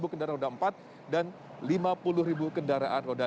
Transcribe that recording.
empat puluh kendaraan roda empat dan lima puluh kendaraan roda dua